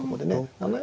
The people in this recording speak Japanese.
７四